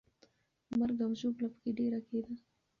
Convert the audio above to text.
مرګ او ژوبله پکې ډېره کېده.